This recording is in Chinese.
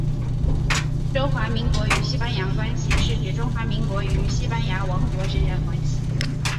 中华民国与西班牙关系是指中华民国与西班牙王国之间的关系。